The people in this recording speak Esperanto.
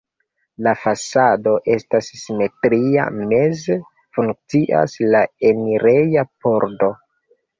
La fasado estas simetria, meze funkcias la enireja pordo.